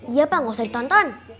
iya pak nggak usah ditonton